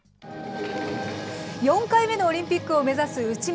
４回目のオリンピックを目指す内村。